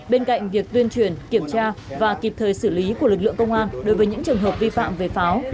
bên cạnh việc tuyên truyền kiểm tra và kịp thời xử lý của lực lượng công an đối với những trường hợp vi phạm về pháo